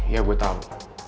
iya gue tau